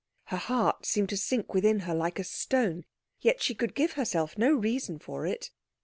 Her heart seemed to sink within her like a stone, yet she could give herself no reason for it.